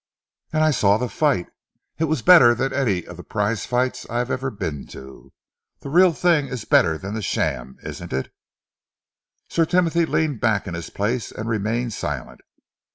And I saw the fight. It was better than any of the prize fights I have ever been to. The real thing is better than the sham, isn't it?" Sir Timothy leaned back in his place and remained silent.